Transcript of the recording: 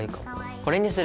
これにする。